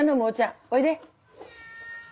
おいで。